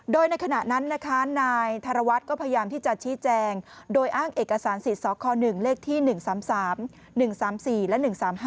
โดยในขณะนั้นนะคะนายธรวัฒน์ก็พยายามที่จะชี้แจงโดยอ้างเอกสารสิทธิ์สค๑เลขที่๑๓๓๑๓๔และ๑๓๕